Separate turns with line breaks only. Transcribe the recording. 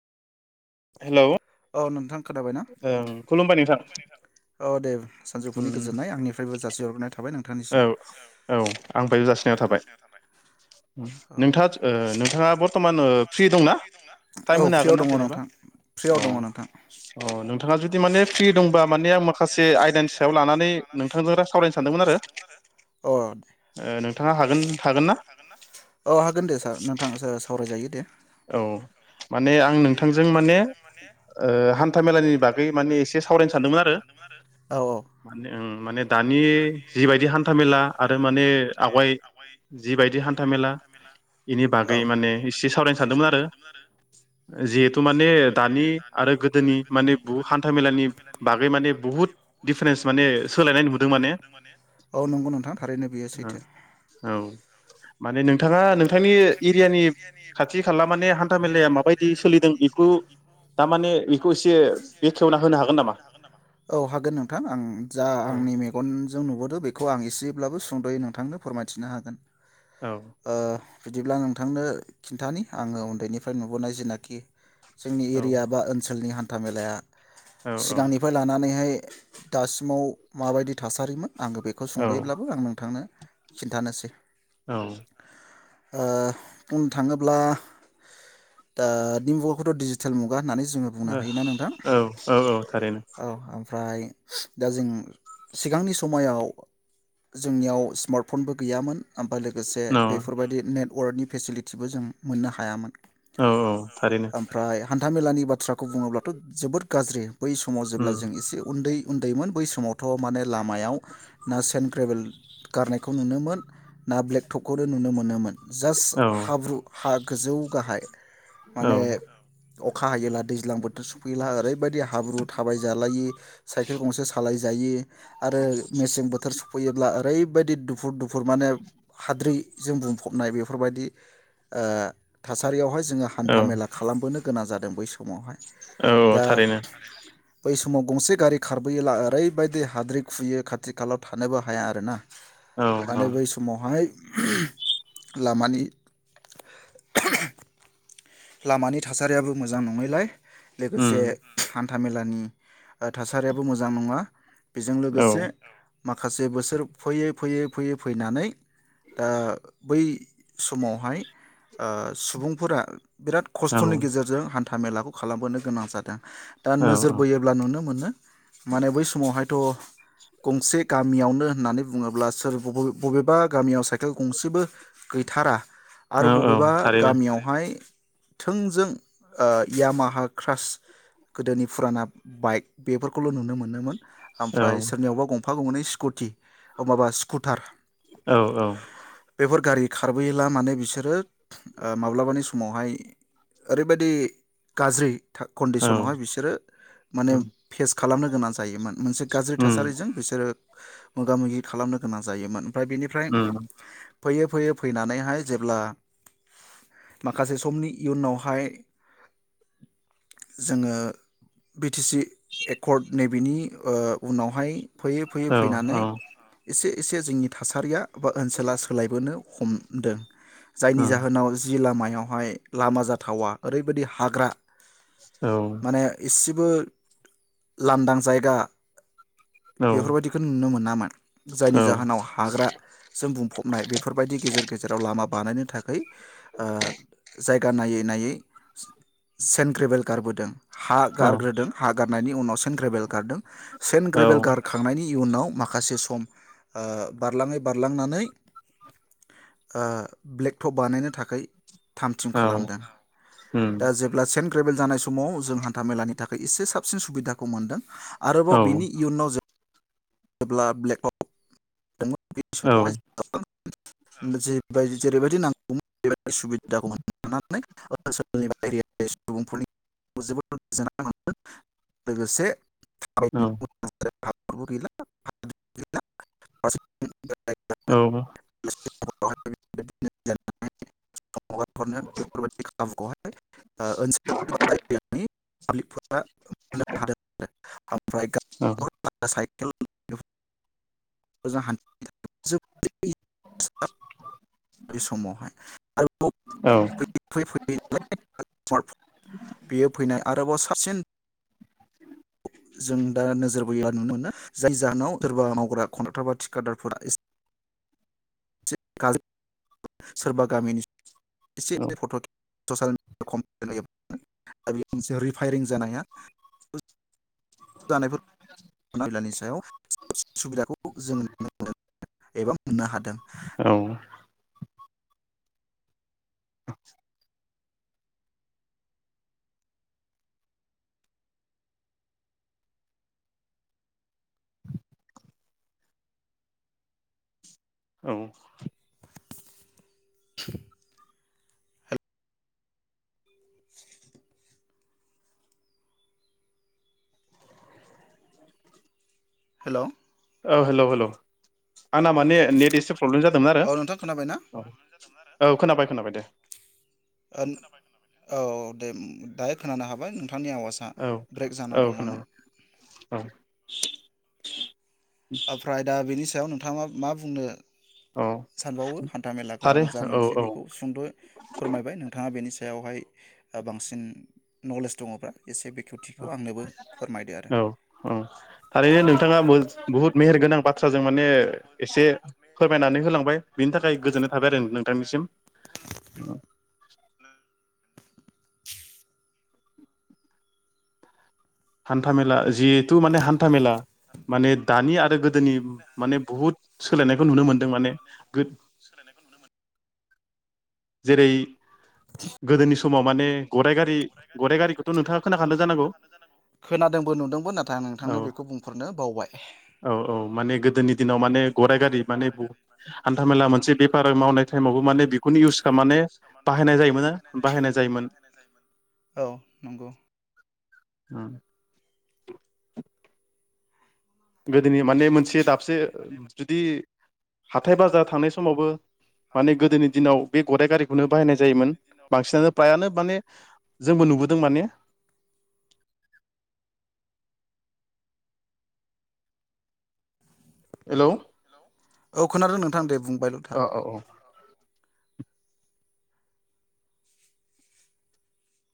Hello.
औ नोंथां। खोनाबायना
ओं खुलुमबाय नोंथां
औ दे सानजौफुनि
उम
गोजोननाय आंनिफ्रायबो जासि हरग्रोनाय थाबाय नों
औ औ आं बाय जासिनायाव थाबाय।
औ
नोंथाङा ओ नोंथाङा बरथ'मान ओ फ्रि दंना
औ
टाइम होनो हागोन
फ्रियाव
ना
दङ
जेनेबा
नोंथां
अ
फ्रियाव दङ नोंथां
अ नों [unintelligible] जदि माने फ्रि दंबा माने आं माखासे आयदानि सायाव लानानै नोंथांजों सावरायनो सानदोंमोन आरो।
अ नोंथाङा
ओ नोंथाङा हागोन ना
हागोन अ हागोन दे सार नोंथाङा सावरायजायो दे
औ माने आं नोंथांजों माने हान्था मेलानि बागै माने एसे सावरायनो सानदोंमोन आरो
औ
माने ओ माने दानि जिबायदि हान्थाामेला आरो माने आवगाय जिबायदि हान्था मेला बेनि बागै माने एसे सावरायनो सानदोंमोन आरो जिहेथु माने दानि आरो गोदोनि माने बु हान्था मेलानि बागै माने बुहुत दिडिफारेन्स माने सोलायनाय नुहदों
औ नंगौ नोंथां थारैनो बेयो सैथो
[unintelligible] माने नोंथाङा नोंथांनि एरियानि
खाथि खाला माने हान्था मेलाया माबायदि सोलिदों
थारमाने
बेखौानेखौ
बेखौ एसे बेखेवना
एसेखेवना होनो हागोन नामा औ हागोन नोंथां आं जा
औ
आंनि मेगनजों नुबोदों बेखौ आं एसे एसेब्लाबो सुंदयै नोंथांनो फोरमायथिनो हागोन
औ
ओ बिदिब्ला नोंथांनो खिन्थानि आङो उन्दैनिफ्राय नुबोनाय जेनाखि जोंनि
औ
एरिया बा ओनसोलनि हानथ हान्थाामेलाया
औ
सिगांनिफ्राय लानानैहाय दा सिमाव माबायदि थासारिमोन आङो बेखौ सुंदब्लाबो आं नोंथांनो खिन्थानोसै
औ
ओ बुंनो थाङोब्ला दा नि मुगाखौथ डिजिटेल मुगा होननानै जोङो बुंनो
औ
हायोना नोंथां
औ औ थारैनो
औ ओमफ्राय दा जों सिगांनि समायाव जोंनियाव सिमार्टफनबो गैयामोन ओमफ्राय लोगोसे
औ
बेफोरबायदि नेट अवार्डनि फेसिलिटिबो जों मोननो हायामोन।
औ औ थारैनो
ओमफ्राय हान्थामेलानि बाथ्राखौ बुङोब्लाथ जोबोद गाज्रि। बै समाव जेब्ला
उम
जों एसे उन्दै उन्दैमोन बै समाव थ माने लामायाव ना सेन ग्रेभेल गारनायखौ नुनोमोन ना ब्लेक टकखौनो नुनो मोनोमोन। जास्ट
औ
हाब्रु हा गोजौ गाहाय
औ
माने अखा हायोला दैज्लां बोथोर सफैयोला ओरैबायदि हाब्रु थाबाय जालायि साइकेल गंसे सालायो यि आरो मेसें बोथोर सफैयोब्ला ओरैबायदि दुफु दुफु गुफुर माने हाद्रिजों बुंफबनाय बेफोरबायदि ओ थासारियावहाय जों जोङो
औ
हान्था मेला खालामबोनो गोनां जादोंमोन बै समावहाय
औ
दा
थारैनो
बै समाव गंसे गारि खारबोयोला ओरै बायदि हाद्रि खुयो खाथि खालायाव थानोबो हाया आर ना
औ
माने
औ
बै समावहाय [unintelligible] लामानि [unintelligible] लामानि थासारियाबो मोजां नङैलाय
उम
लोगोसे हान हान्थामेलानि थासारियाबो मोजां नङा बेजों
औ
लोगोसे माखासे बोसोर फैयै फैयै फैयै फैनानै ओ बै समावहाय ओ सुबुंफोरा बिराद
औ
खस्थनि गेजेरजों हान नथामेलाखौ खालामबोनो गोनां जादों दा
औ
नोजोर
औ
बोयोब्ला नुनो मोनो माने बै समावहायथ‌ गंसे गामियावनो होननानै बुङोब्ला सोर बबे-बबेबा गामियाव साइकेल गंसेबो गैथारा
औ
आरो
औ
बबेबा
थारैनो
गामियावहाय थोंजों यामाहा क्रास गोदोनि फुराना बाइक बेफोरखौल नुनो मोनोमोन
औ
ओमफ्राय सोरनियावबा गं गफा गंनै स्कुटि ओ माबा स्कुटार
औ औ
बेफोर गारि खारबोयोला माने बिसोरो माब्लाबानि समावहाय ओरैबायदि गाज्रि था
औ
कन्डिसनावहाय बिसोरो माने
उम
फेस खालामनो गोनां जायोमोन मोनसे गाज्रि थासारिजों बिसोरो मोगा मोगि खालामनो गोनां जायोमोन ओमफ्राय बेनिफ्राय
उम
फैयै फैयै फैनानैहाय जेब्ला माखासे समनि इयुनावहाय जोङो बि टि सि एकर्ड नि बिनि ओ उनावहाय फैयै फैयै
औ
फैनानै
औ
एसे एसे जोंनि थासारिया बा ओनसोला सोलायबोनो हमदों जायनि
उम
जाहोनाव जि लामा बेवहाय लामा जाथावा ओरैबायदि हाग्रा
औ
माने इसेबो लान्दां जायगा
औ
बेफोरबायदिखौ नुनो मोनामोन जायनि जाहोनाव हाग्रा जों बुंफबनाय बेफोरबायदि गेजेर गेजेराव लामा बानायनो थाखै ओ जायगा नायै नायै सेन्ट ग्रेबेल गारबोदों हा
औ
गारग्रोदों हा गारनायनि उनाव सेन्ट ग्रेबेल गारदों सेन्ट
औ
ग्रेबेल गारखांनायनि उनाव माखासे सम ओ बारलाङै बारलांनानै ओ ब्लेक टक बानायनो थाखै थामथिम
औ
खालामदों
उम
दा जेब्ला सेन्ट ग्रेबेल जानाय स समाव जों हान्था मेलानि थाख एसे साबसिन सुबिदाखौ मोनदों आरोबाव
औ
बिनि इयुनाव जों जेब्ला ब्लेक हक
औ
[unintelligible] [unintelligible] जेरैबायदि नांग [unintelligible] सुबिदाखौ मोननानै ओनसोलनि बा एरियानि सुबुंफोरनि जोबोद गोजोननाय मोनदों लोगोसे [unintelligible] [unintelligible]
औ
बिदिनो जा [unintelligible] बेफोरबायदि [unintelligible] ओ ओनसोल [unintelligible] पाब्लिकफोरा [unintelligible]
औ
ओमफ्राय [unintelligible] [inaudible] मोजां हान्थि [inaudible] बे समावहाय आरो
औ
[unintelligible] बेयो फैनाय आरोबाव साबसिन जों दा नोजोर बोयोबा नुनो मोनो जि जाहोनाव सोरबा मावग्रा कन्डाक्टार बा थिखादारफोरा एसे [unintelligible] सोरबा गामिनि एसे फट खे [unintelligible] बे मोनसे रिफायरिं जानाया जानाय नायलानि सायाव सु-सु-सुबिदाखौ जों नुनो मोन एबा मोननो हादों
[unintelligible] औ
[unintelligible] [unintelligible] हेलौ
औ हेलौ हेलौ आंना माने नेट एसे प्रब्लेम जादोंमोन आरो
औ नोंथां खोनाबायना
औ औ खोनाबाय खोनाबाय दे।
औ दे दायो खोनानो हाबाय नों थांरनि आवाजआ
औ
ब्रेक जानानै
औ
दङमोन।
खोनाबाय औ
ओफ्राय दा बेनि सायाव नोंथाङा मा बुंनो
औ
सानबावो हान्थाामेलाखौ आं
थारै
जा
औ
मोनथियो
औ
बेखौ सुंद फोरमायबाय नोंथाङा बेनि स सायावहाय ओ बांसिन नलेज दङबा। आरो
औ औ थारैनो नोंथाङा बहुद मेहेर गोनां बाथ्रा जों माने एसे फोरमायनानै होलांबाय बिनि थाखाय गोजोननाय थाबाय आरो नोंथांनिसिम। हान्था मेला जिहेथु माने हान्था मेला माने दानि आ रो गोदोनि माने बुहुत सोलायनायखौ नुनो मोन्दों माने गो जेरै गोदोनि समाव माने गराइ गारि गराइ गारिखौथ नोंथाङा खोनाखादो जानांगौ
खोनादोंबो नुदोंबो नाथाय आं
औ
नोंथांनो बेखौ बुंफोरनो बावबाय।
औ औ माने गोदोनि दिनाव माने गराइ गारि माने बु हान्था मेला मोनसे बेफार
मोनसे
मावनाय
बेफार
टाइमावबो
मावनाय
माने बेखौनो
ताइमावबो
इउस
माने बेखौ
खालामनानै
इउस मे
बाहायनाय जायोमोन
बाहायनाय जोयोमोन
जायोमोन
बाहायनाय जायोमोन। औ नंगौ
उम बे दिनै माने मोनसे दाबसे जुदि हाथाय बाजार थांनाय समावबो माने गोदोनि दिनाव बे गदाइ गारिखौनो बाहायनाय जायोमोन बांसिनानो फ्रायानो माने जोंबो नुबोदों माने हेल'
हेल' औ खोनादों नोंथां दे बुं
ओ ओ औ [inaudible]